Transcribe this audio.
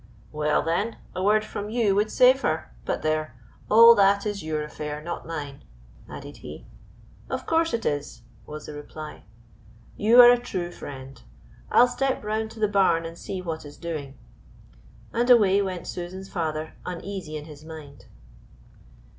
"Well, then, a word from you would save her but there all that is your affair, not mine," added he. "Of course it is," was the reply. "You are a true friend. I'll step round to the barn and see what is doing." And away went Susan's father uneasy in his mind.